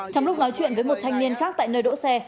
trong lúc nói chuyện với một thanh niên khác tại nơi đỗ xe